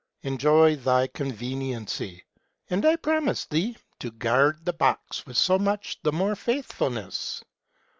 Enjoy thy conveniency, and I promise thee to guard the box with so much the more faithfulness.